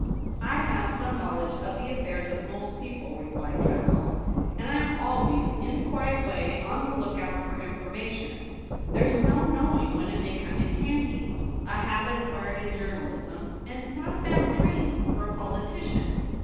' I have some knowledge of the affairs of most people,' replied Tressel, ' and I am always, in a quiet way, on the look out for information ; there's no knowing when it may come in handy ... A habit acquired in journalism ; and not a bad training for a politician.